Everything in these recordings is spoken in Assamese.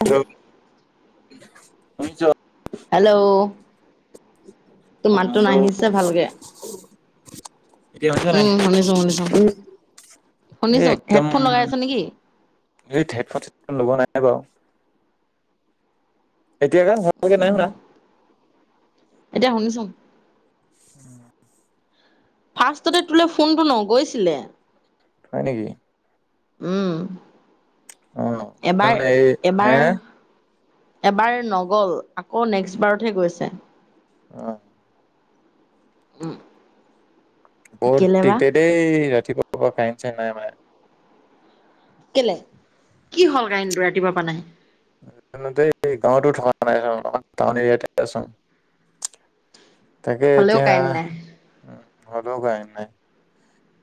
কিহ'ল শুনিছ? হেল্ল', তোৰ অ মাতটো হেল্ল' নাহিছে ভালকে [inaudible] এতিয়া শুনিছ নাই? উম শুনিছো শুনিছো এ শুনিছো একদম হেডফোন লগাই আছ নেকি হেইট হেডফোন -চেডফোন লগোৱা নাই বাৰু। এতিয়া কা ভালকে নাইশুনা? এতিয়া শুনিছোঁ। [inaudible] ফাৰ্ষ্টতে তোৰলে ফোনটো নগৈছিলে। হয় নেকি? উম, অ মই মানে এবাৰ- এই হে এবাৰ এবাৰ নগল আকৌ নেক্সটবাৰতহে গৈছে। অহ উম বহুত কেলে বা দিগদাৰি দেই ৰাতিপুৱা পৰা কাৰেন- চাৰেন নাই আমাৰ ইয়াত। কেলে কি হ'ল কাৰেণ্টটো ৰাতিপুৱা পৰা নাই? [unintelligible] গাঁৱতো থকা নাই [unintelligible] টাউন এৰিয়াতে আছো। তাকে হ'লেও এতিয়া কাৰেণ্ট নাই ঘৰটো কাৰেণ্ট নাই।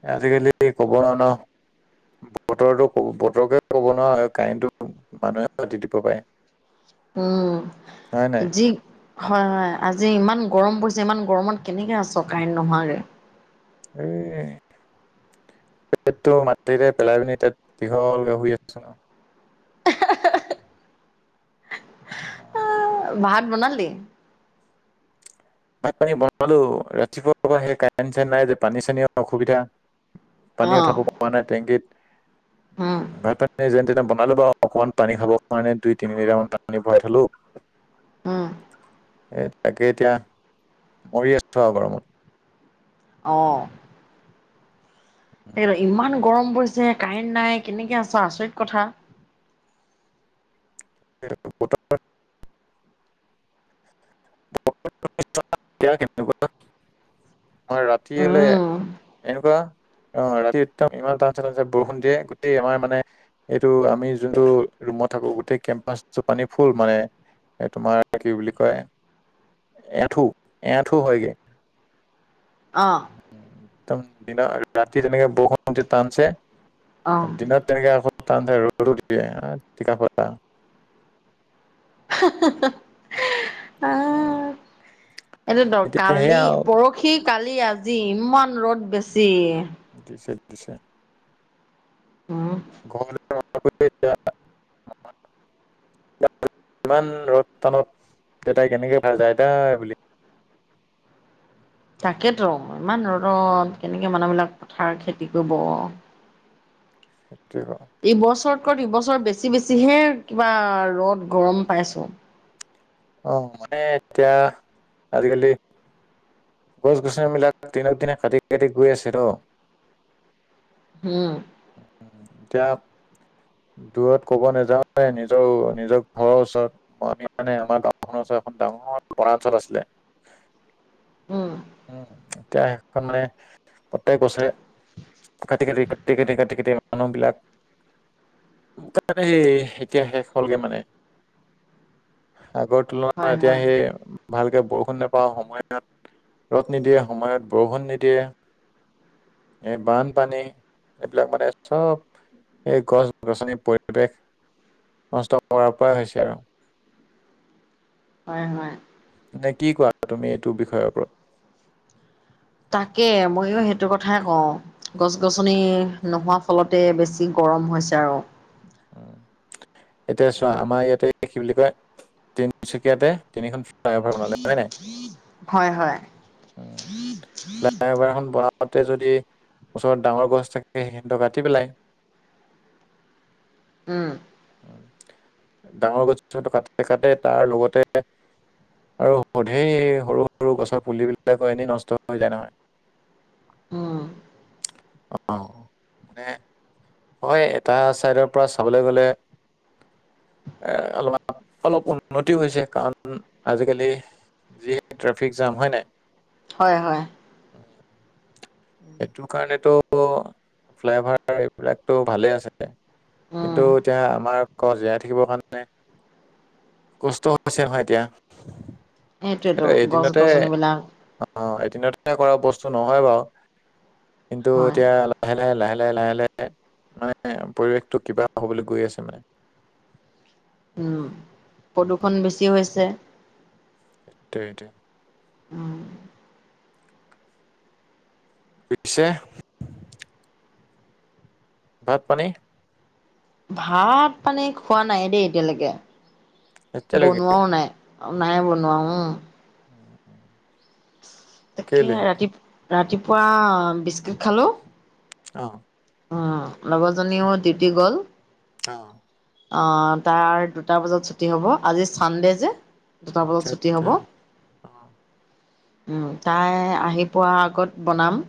এ আজিকালি কব নোৱাৰো ন' বতৰো কব বতৰকে ক'ব নোৱাৰা হয় কাৰেণ্টটো মানুহে কাটি দিব পাৰে। উম, হয় নাই যি হয় -হয় আজি ইমান গৰম পৰিছে ইমান গৰমত কেনেকৈ আছ কাৰেণ্ট নোহোৱাকে? হে পেটটো মাটিতে পেলাই পিনি দীঘলকে শুই আছো। [unintelligible] অহ ভাত বনালি? ভাত পানী বনালো ৰাতিপুৱাৰ পৰা সেই কাৰেণ্ট- চাৰেণ্ট নাই যে পানী চানীও অসুবিধা অ পানী উঠাব পৰা নাই টেংকীত। উম ভাত পানী যে নে বনালো বাও অকণমান পানী খাব কাৰণে দুই -তিনি লিটাৰ মান পানী ভৰাই থলো উম এ তাকে এতিয়া মৰি আছো আৰু গৰমত। অ', হেইবা ইমান গৰম পৰিছে কাৰেণ্ট নাই কেনেকে আছ আচৰিত কথা। [unintelligible] [unintelligible] আমাৰ ৰাতি হলে উম এনেকুৱা অহ, ৰাতি একদম ইমান টানচে- টানচে বৰষুণ দিয়ে গোটেই আমাৰ মানে এইটো আমি যোনটো ৰুমত থাকো গোটেই কেম্পাচটো পানী ফুল মানে এ তোমাৰ কি বুলি কয় এথু- এথু হয়গে। অহ একদম দিনত ৰাতি তেনেকে বৰষুণ টানছে অ' দিনত তেনেকে আক টানচে ৰ'দ ও দিয়ে টিকা ফটা। হা- হা- হা হম এইটোটো কালি পৰখি, কালি, আজি ইমান ৰ'দ বেছি। দিছে -দিছে। উম [unintelligible] ইমান ৰদ টানত দেতাই কেনেকে [unintelligible] এই বুলি [inaudible] তাকে তো ইমান ৰ'দত কেনেকে মানুহবিলাক পথাৰ খেতি কৰিব সেইটোৱে কওঁ ইবছৰতক- ইবছৰ বেছি -বেছিহে কিবা ৰ'দ -গৰম পাইছো। অহ, মানে এতিয়া আজিকালি গছ -গছনি বিলাক দিনক দিনে কাটি -কাটি গৈ আছে ন', হুম [unintelligible] দূৰত ক'ব নেযাওঁ নিজৰ- নিজৰ ঘৰৰ ওচৰত আমি মানে আমাৰ গাওখনৰ ওচৰত এখন ডাঙৰ বনাঞ্চল আছিলে [inaudible] উম, এতিয়া সেইখন মানে প্ৰতেক বছৰে কাটি -কাটি -কাটি - কাটি - কাটি - কাটি মানুহ বিলাক তাত হে এতিয়া শেষ হ'লগে মানে। আগৰ তুলনাত হয় এতিয়া হয় সেই ভালকে বৰষুণ নেপাওঁ সময়ত। ৰ'দ নিদিয়ে সময়ত বৰষুণ নিদিয়ে। এই বানপানী এইবিলাক মানে চব এই গছ গছনিৰ পৰিৱেশ নষ্ট কৰাৰ পৰাই হৈছে আৰু। হয় হয়। নে কি কোৱা তুমি এইটো বিষয়ৰ ওপৰত? তাকে ময়ো সেইটো কথাই কওঁ গছ-গছনি নোহোৱা ফলতে বেছি গ গৰম হৈছে আৰু। উম, এতিয়া চোৱা আমাৰ ইয়াতে কি বুলি কয় তিনচুকীয়াতে তিনিখন ফ্লায় অভাৰ বনালে হৈ নাই? হয় হয় উম, ফ্লায় অভাৰ খন বনাও তে যদি ওচৰত ডাঙৰ গছ থাকে সেইখিনিতো কাটি পেলাই। [inaudible] ডাঙৰ গছ কাটে কাটে তাৰ লগতে আৰু ধেৰ সৰু সৰু গছৰ পুলিবিলাকো এনেই নষ্ট হৈ যায় নহয়। উম অ' মানে হয় এটা চাইডৰ পৰা চাবলে গলে এ অলপ অলপ উন্নতি হৈছে কাৰণ আজিকালি যিহে ট্ৰাফিক জাম হয় নাই? হয় হয়। এইটো কাৰণেতো ফ্লায় অভাৰ এইবিলাকতো ভালে আছে। উম কিন্তু এতিয়া আমাৰ ক জীয়াই থাকিবৰ কাৰণে কষ্ট হৈছে হয় এতিয়া। সেইটোৱেতো এ গছ এদিনতে গছনিবিলাক অ' এদিনতে কৰা বস্তু নহয় বাৰু। কিন্তু হয় এতিয়া লাহে লাহে লাহে লাহে লাহে লাহে মানে পৰিৱেশটো কিবা হ'বলৈ গৈ আছে মানে। উম, প্ৰদূষণ বেছি হৈছে। সিটোৱে সিটোৱে। উম। পিছে ভাত-পানী? ভাত মানে খোৱা নাই দেই এতিয়ালৈকে, এতিয়ালৈকে বনোৱাও নাই। নাই বনোৱা, উম। উম, তাকে কেলে ৰাতি - ৰাতিপুৱা বিস্কুট খালোঁ। অ'। উ, লগৰজনীও ডিউটি গ'ল। অ'। অ তাৰ দুটা বজাত ছুটি হ'ব আজি চানডে যে। দুটা আচ্ছা বজাত ছুটি আচ্ছা হ'ব। অ উম, তাই আহি পোৱা আগত বনাম।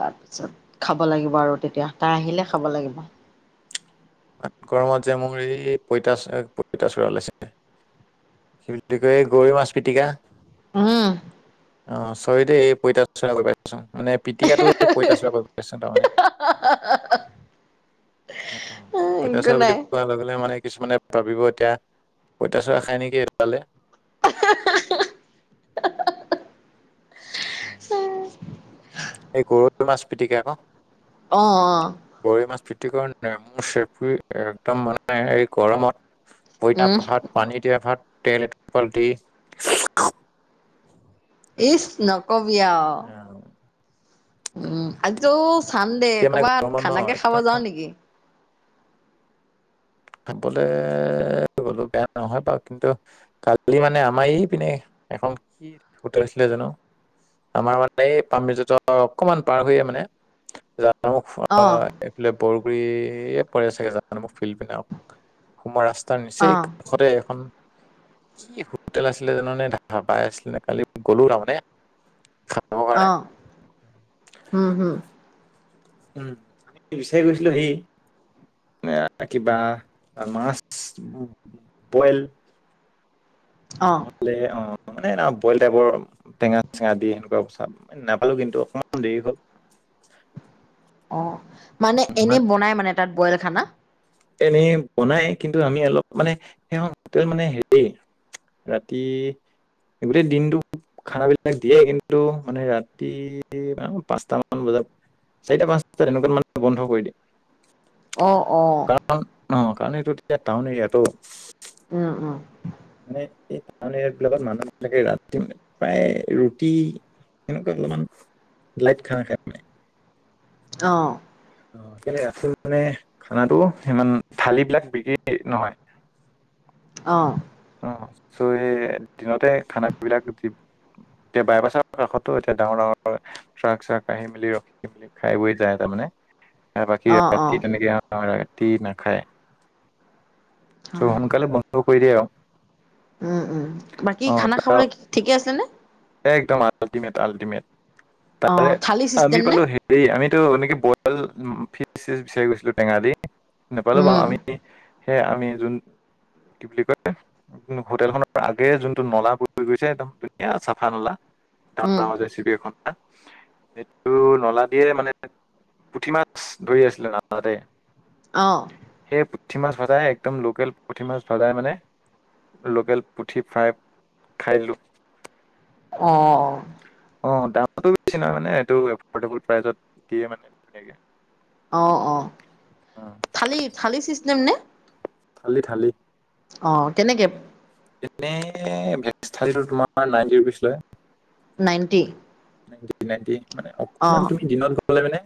তাৰপিছত খাব লাগিব আৰু তেতিয়া তাই আহিলে খাব লাগিব। গৰমত যে মোৰ এই পঁইতাচ - পঁইতাচোৰা ওলাইছে। কি বুলি কয় গৰৈ মাছ পিটিকা। উম। অ' চৰি দেই এই [unintelligible] মানে পিটিকাটোৱে পঁইতাচোৰা কৈ পাইছোঁ তাৰ মানে। একো পঁইতাচোৰা বুলি নাই কোৱা লগে লগে মানে কিছুমানে ভাবিব এতিয়া পঁইতাচোৰা খায় নেকি সেইফালে। [unintelligible] [inaudible] এই গৰৈ মাছ পিটিকা আকৌ। অ', অ'। [unintelligible] নেমু চেপি একদম মানে এই গৰমত পইতা উম ভাত পানী দিয়া ভাত। নে পালটি। ইচ নকবি আ উম আজৌ চাম দেই এতিয়া মানে কৰ'ৰবাত গৰমত ন খানাকে খাব যাও একদম নেকি? খাবলৈ গ'লো বেয়া নহয় বাৰু কিন্তু কালি মানে আমাৰ ই পিনে। এখন কি হোটেল আছিলে জানো? আমাৰ মানে এই পামজত অকমান পাৰ হৈয়ে মানে। মোক অ এইফালে বৰগুৰিয়ে পৰে চাগে জান মোক ফিল্ড পিনে। সোমোৱা ৰাস্তাৰ অ নিচেই কাষতে এখন। কি হোটেল আছিলে জানানে ধাপাই আছিলে নে কালি গ'লো তাৰমানে। খাবৰ কাৰণে আহ উম হম। উম আমি বিচাৰি গৈছিলো সি। এ কিবা মাছ বইল। অ নহলে অ মানে বইল টাইপৰ টেঙা চেঙা দি সেনেকুৱা নাপালো কিন্তু অকণমান দেৰি হ'ল। অ মানে এনে বনাই মানে তাত বইল খানা। এনেই বনাই কিন্তু আমি অলপ মানে সেই মানে হেৰি। ৰাতি গোটেই দিনটো খানাবিলাক দিয়ে কিন্তু মানে ৰাতিান পাঁচট মান বজাত। চাৰিটা পাঁচটা তেনেকুৱাত মানে বন্ধ কৰি দিয়ে। অ অ। কাৰণ অ কাৰণ এইটো তেতিয়া টাউন এতিয়াতো। উম উম মানে এই টাউন এৰিয়া বিলাকত মানুহ বিলাকে ৰাতি মানে প্ৰায় ৰুটি এনেুৱা অকমান লাইট খান কৰানে? আহ অ ৰা মানে খানাো সিমান থালি বিলাক বিক্ৰী নহয়। হয়। অ চ এই দিনতে খান বিলাক দি এতিয়া বাইপাছৰ কাষতো এতিয়া ডাঙৰ ডাঙৰট্ৰাক চাক আহি মেলি ৰখি মেলি খাই বৈ যায় তাৰ মানে। বাকী অ ৰা অ ৰাতি তেনেকে ৰাতি নাখায়। চ সোনকালে বন্ধ কৰি দিয়া আ আৰু। উম উম বাকী খানা খাবলৈ অ', ঠিকে আছে নে? একদম আল্টিমেট আল্টিমেট অ তাৰে থালি আমি চিষ্টেম নে পালো হেৰি আমি। এইটো এনেকে বইল ফিচ বিচাৰি গৈছিলো টেঙালি নাপালো বাৰ উম আমি। সেই আমি যোন কি বুলি কয় হোটেল খনৰ আগে যোনটো নলা ব গৈছে একদম ধুনীয়া চ ঠা নলা উম ডৰ ডৰেপ এখন সেইটো নলা দিয়ে মানে পুঠি মাছ ধৰি আছিল না তাতে। আহ পুঠি মাছ ভাতাই একদম লোকেল পুঠি মাছ ভজাই মানে। লোকেল পুঠি ফ্ৰাই খাইলোঁ। অ অ দামতটো বেছি নহ মানে এইটো এফৰ্ডেবল প্ৰাইজত দিয়ে মানে ধুনীয়াকে। অ অ অ, থালি, থালি চিষ্টেম নে? খালি, খালি অ কেনেকে। এনে ভে থালীটো তোমাৰ নাইনটি ৰুপিজ লয়। নাইনটি। নাইনটি মানে অকমান অ', তুমি দিনত। লে মানে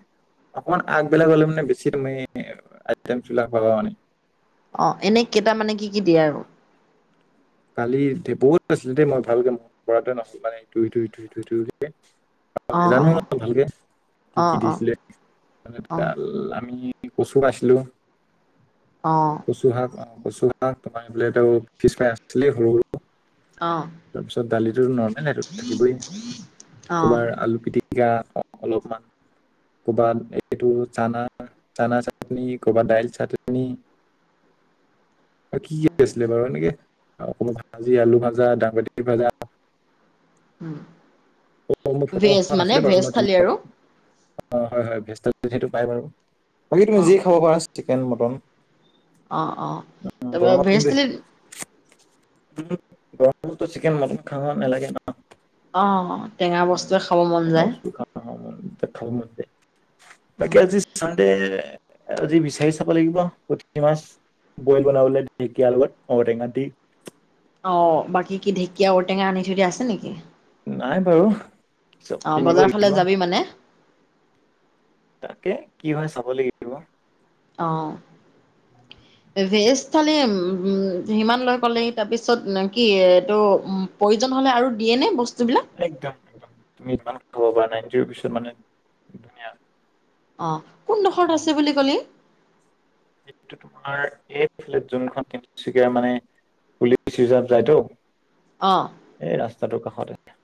অকমান আগবিলাক হলে মানে বেছি মানে আইটেম বিলাক পাবা মানে। অ এনে কেইটা মানে কি কি দিয়ে আৰু। কালি দে বহুত আছিলে দেই মই ভালকে মন পৰাটোৱে নাল মানে ইটো সটো ইটো সটো ইটো। অ', নজানো অ', ভালকে কি, কি অ', অ', দিছিলে অ', আমি। কচু আইছিলো অ', কচু শাক। বস্তু তোমাৰ বোলে পিছফাই আছিলেই সৰু সৰু অ', তাৰপিছত দালিো নৰ্মেল সেইটো থাকিবই অ', কবাৰ আলু পিটিক। গা অলপমান। কৰ'বাত এইটো চানা চানা চাটনি কৰ'ৰবাত দাইল চাটনি। কি কি আছিলে বাৰু এনেকে অকমান ভাজি আলু ভাজা দাংবতি ভাজা অ মোৰ ফটো ভেজ মানে ভেজ থালী আৰু। অ হয় হয় ভেজ সেইটো পাই বাৰু বাকী তুমি যি অ', খাব পাৰা চিকেন মটন। অ অ তাৰপ ভেজ গৰমো চিকেন মতন খাব নালাগে ন। অ', টেঙা বস্তুৱে খাব মন যায়। সু খ খাব? তাকাকে আজি ছানডে। আজি বিচাৰি চাব লাগিব পুঠি মাছ বইল বনাবলে ঢেকীয়াৰ লগত ঔটেঙা দি। অ বাকী কি ঢেকীয়া ঔটেঙা আনি থৈ দ আছে নেকি? নাই বাৰু চব অ', কিনিব বজাৰৰ ফালে লাগিব। যাবি মানে তাকে কি হয় চাব লাগিব। অ [unintelligible] কালি সিমান লৈ ক'লে তাৰপিছত কি এইটো প্ৰয়োজন হ'লে আৰু দিয়ে ন বস্তু? একদম, একদম তুমি মানে কব পাৰ নাই ইট পিছত মানে ধুনীয়া। অ কোনডোখৰত আছে বুলি কলে। সটো তোমাৰ এইফ যোনখন মানে। পুলিচ ৰিজাৰ্ভ যায়তো অ' এই ৰাস্তাটোৰ কাষত আছে।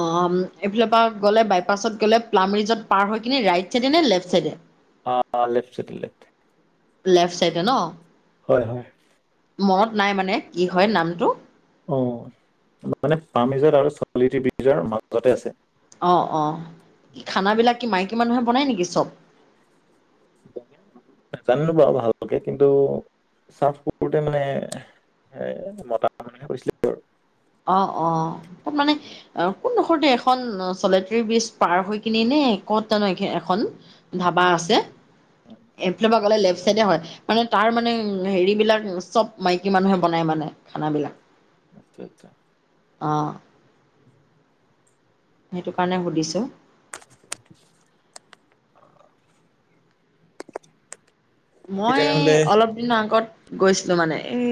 অ এইফালৰ পৰা গ'লে বাইপাছত গলে প্লামিজত পাৰ হয় কিনে ৰাইট চাইডে নে লেফট চাইডে। অ লেফ চাইডে লেফ চাই ছে ন। হয় হয়। মনত নাই মানে কি হয় নামটো। অহ, মানে পামেজৰ আৰু ছোৱালিটিবিজৰ মাজতে আছে। অ অ কি খানাবিলাক কি মাইকী মানুহে বনায় নেকি চব। াজানো বাৰু ভালকে কিন্তু চাৰফ কৰোতে মানে। সেয় মতা মানহে কৈছিলে আৰু অ অ ত মানে অ। কোন ডখৰতে এখন চলেটেৰী ব্ৰীজ পাৰ হৈ কিনি নে কতো এখন ধাবা আছে। এফ পাল। [unintelligible] হয় মানে তাৰ মানে হেৰি বিলাক চব মাইকী মানুহে বনাই মানে খানাবিলাক। আচ্ছা আত্ছা। আহ সেইটো কাৰণে সুধিছোঁ [unintelligible] বাকী মই তেনেহলে অলপ দিনৰ আগত গৈছিলো মানে এই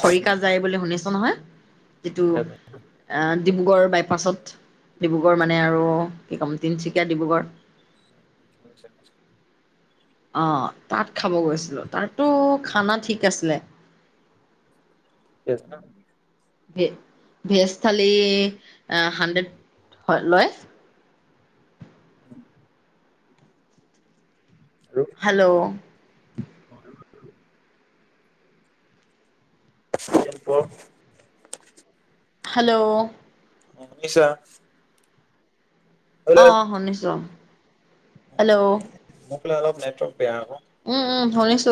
খৰিকা যাই বুলি শুনিছো। যিটো ডিব্ৰুগড় বাইপাছত। ডিব্ৰুগড় মানে আৰু কি ক'ম তিনিচুকীয়া ডিব্ৰুগড়। [unintelligible] আহ তাত খাব গৈছিলো তাতো খানা ঠিক আছিলে। ঠিকে আছে ন। ভে ভেজ থালি হানড্ৰেড হয় লয়। [inaudible] উম হেল্ল', হয়। [unintelligible] হেল্ল', অহ, শুনিছা? হেল্ল' অহ, শুনিছো হেল্ল', মানে অলপ নেটৱৰ্ক বেয়া উম হব। উম শুনিছো